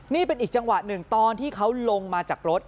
นี่เป็นอีกจังหวะหนึ่งตอนที่เขาลงมาจากรถ